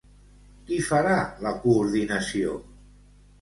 Qui farà la coordinació?